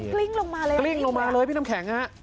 กลิ้งลงมาเลยพี่น้ำแข็งอ่ะ